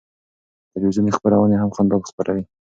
تلویزیوني خپرونه هم خندا خپروي.